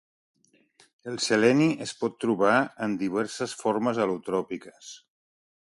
El seleni es pot trobar en diverses formes al·lotròpiques.